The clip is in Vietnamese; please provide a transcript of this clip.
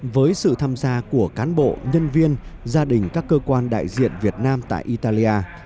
với sự tham gia của cán bộ nhân viên gia đình các cơ quan đại diện việt nam tại italia